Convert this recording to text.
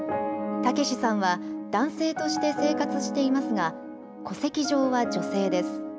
タケシさんは男性として生活していますが、戸籍上は女性です。